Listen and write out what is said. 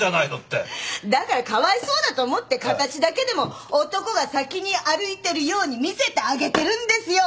だからかわいそうだと思って形だけでも男が先に歩いてるように見せてあげてるんですよ